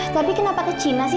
tapi kenapa ke cina sih